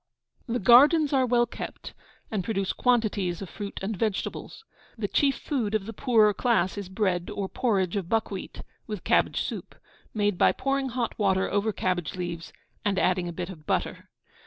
The gardens are well kept, and produce quantities of fruit and vegetables. The chief food of the poorer class is bread or porridge of buckwheat, with cabbage soup, made by pouring hot water over cabbage leaves and adding a bit of butter.